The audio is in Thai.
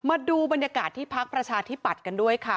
มาดูบรรยากาศที่พักประชาธิปัตย์กันด้วยค่ะ